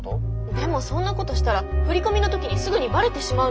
でもそんなことしたら振り込みの時にすぐにばれてしまうのに。